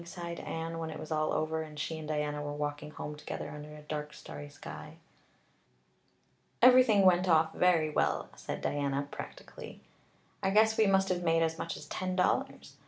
sighed Anne, when it was all over and she and Diana were walking home together under a dark, starry sky. "Everything went off very well," said Diana practically. "I guess we must have made as much as ten dollars.